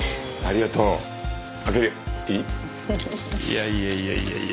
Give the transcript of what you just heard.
いやいやいやいやいや。